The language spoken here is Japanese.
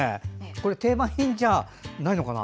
これ、定番品じゃないのかな？